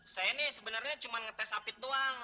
saya nih sebenarnya cuma ngetes apit doang